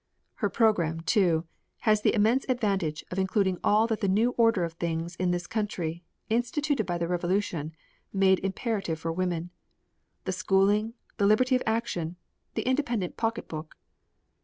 Her program, too, has the immense advantage of including all that the new order of things in this country, instituted by the Revolution, made imperative for women the schooling, the liberty of action, the independent pocket book.